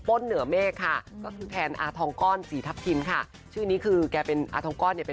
พี่เหนื่อยมากพี่เป็นไรอะ